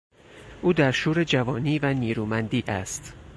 او در شور جوانی و نیرومندی است.